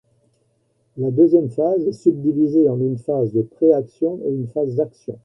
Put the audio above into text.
La deuxième phase est subdivisée en une phase de pré-action et une phase d'action.